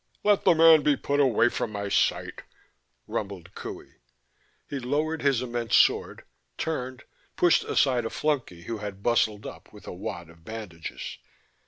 "Let the man be put away from my sight," rumbled Qohey. He lowered his immense sword, turned, pushed aside a flunky who had bustled up with a wad of bandages.